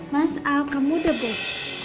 mas al kamu udah ber